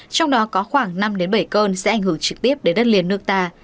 trong đó có khoảng năm bảy cơn sẽ ảnh hưởng trực tiếp đến đất liền nước ta